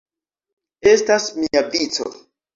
Estas mia vico!